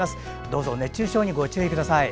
どうぞ熱中症にご注意ください。